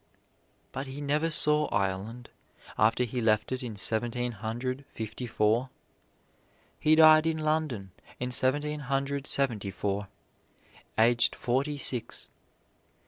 But he never saw Ireland after he left it in Seventeen Hundred Fifty four. He died in London in Seventeen Hundred Seventy four, aged forty six.